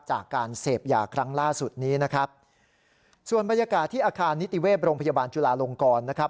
จากการเสพยาครั้งล่าสุดนี้นะครับส่วนบรรยากาศที่อาคารนิติเวศโรงพยาบาลจุลาลงกรนะครับ